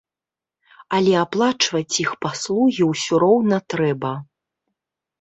Але аплачваць іх паслугі ўсё роўна трэба.